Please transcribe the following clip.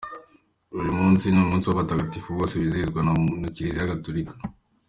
Uyu munsi ni umunsi w’abatagatifu bose wizihizwa na Kiliziya Gatolika.